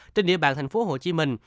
trên địa bàn thành phố hồ chí minh